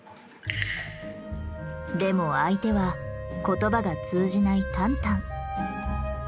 でも相手は言葉が通じないタンタン。